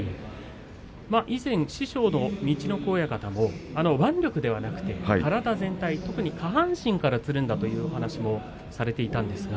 以前、師匠の陸奥親方も腕力ではなく体全体特に下半身からつるんだという話をされていました。